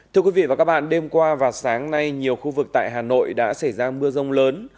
thưa quý vị và các bạn đêm qua và sáng nay nhiều khu vực tại hà nội đã xảy ra mưa rông lớn